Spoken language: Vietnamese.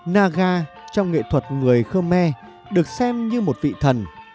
naga trong nghệ thuật người khmer được xem như một vị thần